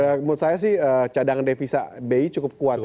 menurut saya sih cadangan devisa bi cukup kuat ya